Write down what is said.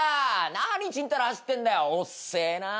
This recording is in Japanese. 何ちんたら走ってんだよ遅えな！